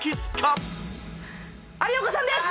有岡さんです！